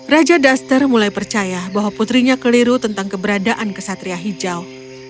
raja duster mulai percaya bahwa putrinya keliru tentang keberadaan kesatria hijau